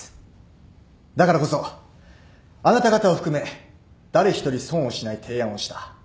だからこそあなた方を含め誰一人損をしない提案をした。